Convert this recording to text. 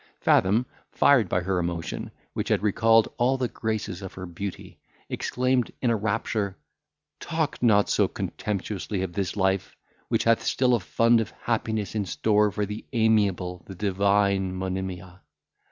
Fathom, fired by her emotion, which had recalled all the graces of her beauty, exclaimed in a rapture, "Talk not so contemptuously of this life, which hath still a fund of happiness in store for the amiable, the divine Monimia.